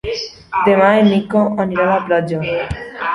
Demà en Nico anirà a la platja.